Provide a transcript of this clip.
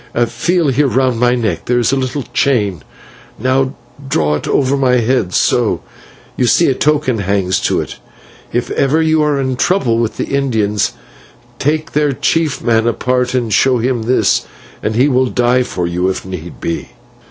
Feel here round my neck, there is a little chain now, draw it over my head so. You see a token hangs to it; if ever you are in trouble with the Indians, take their chief man apart and show him this, and he will die for you if need be.